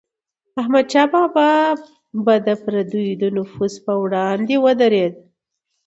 احمدشاه بابا به د پردیو د نفوذ پر وړاندې ودرید.